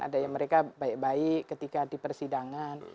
ada yang mereka baik baik ketika di persidangan